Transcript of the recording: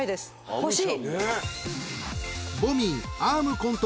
欲しい。